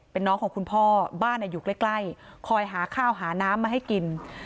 เป็นน้องของคุณพ่อบ้านอยู่ใกล้คอยหาข้าวหาน้ำมาให้กิน